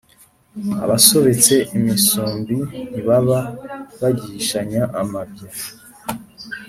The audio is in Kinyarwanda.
Abasobetse imisumbi ntibaba bagihishanye amabya.